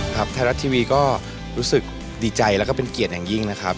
ไทยรัฐทีวีก็รู้สึกดีใจแล้วก็เป็นเกียรติอย่างยิ่งนะครับ